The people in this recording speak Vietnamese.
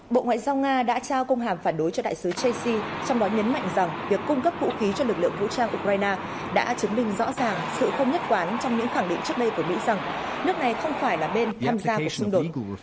bộ ngoại giao nga đã trao công hàm phản đối cho đại sứ ji trong đó nhấn mạnh rằng việc cung cấp vũ khí cho lực lượng vũ trang ukraine đã chứng minh rõ ràng sự không nhất quán trong những khẳng định trước đây của mỹ rằng nước này không phải là bên tham gia cuộc xung đột